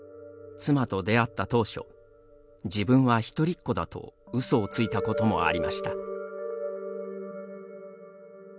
妻と出会った当初「自分はひとりっ子」だとうそをついたこともありました。